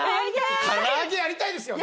唐揚げやりたいですよね？